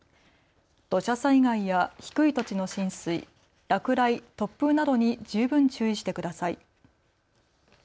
土砂災害や低い土地の浸水、落雷、突風などに十分注意してください。